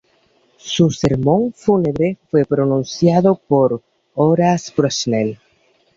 Su sermón fúnebre fue pronunciado por Horace Bushnell.